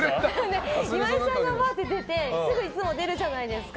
岩井さんが、わーって出てすぐいつも出るじゃないですか。